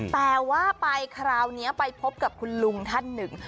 แต่ว่าไปคราวนี้ไปพบกับคุณลุงท่านหนึ่ง